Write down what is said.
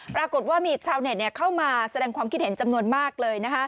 ปรากฏว่ามีชาวเน็ตเข้ามาแสดงความคิดเห็นจำนวนมากเลย